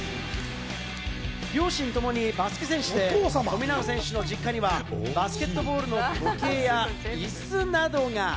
両親ともにバスケ選手で、富永選手の実家にはバスケットボールの時計やイスなどが。